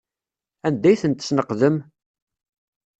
Anda ay ten-tesneqdem?